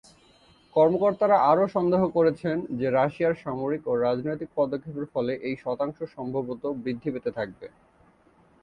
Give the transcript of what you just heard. কর্মকর্তারা আরও সন্দেহ করেছেন যে রাশিয়ার সামরিক ও রাজনৈতিক পদক্ষেপের ফলে এই শতাংশ সম্ভবত বৃদ্ধি পেয়ে থাকবে।